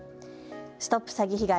ＳＴＯＰ詐欺被害！